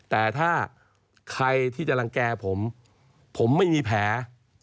แต่ถ้าใครที่จะรังแก่ผมผมไม่มีแผล